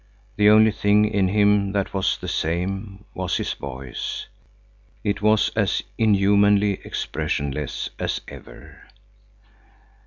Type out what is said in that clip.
The only thing in him that was the same was his voice. It was as inhumanly expressionless as ever.